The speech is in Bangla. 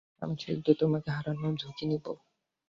আমি শুধু তোমাকে হারানোর ঝুঁকি নিব।